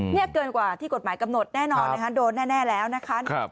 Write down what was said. นี่เกินกว่าที่กฎหมายกำหนดแน่นอนนะคะโดนแน่แล้วนะคะ